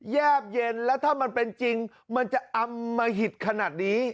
แบเย็นแล้วถ้ามันเป็นจริงมันจะอำมหิตขนาดนี้